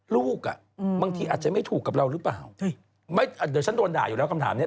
ลูกอ่ะอืมบางทีอาจจะไม่ถูกกับเราหรือเปล่าไม่อ่ะเดี๋ยวฉันโดนด่าอยู่แล้วคำถามเนี้ย